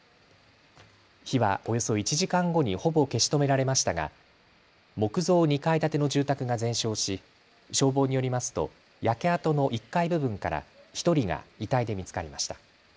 火は、およそ１時間後にほぼ消し止められましたが木造２階建ての住宅が全焼し消防によりますと焼け跡の１階部分から１人が遺体で見つかりました。